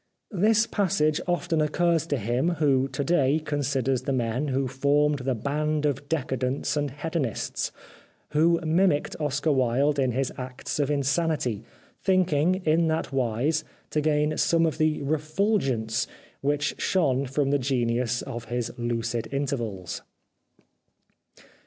This passage often occurs to him who to day considers the men who formed the band of decadents and hedonists, who mimicked Oscar Wilde in his acts of insanity, thinking in that wise to gain some 341 The Life of Oscar Wilde of the refulgence which shone from the genius of his lucid intervals.